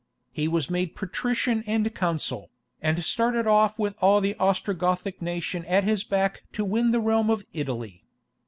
He was made "patrician" and consul, and started off with all the Ostrogothic nation at his back to win the realm of Italy.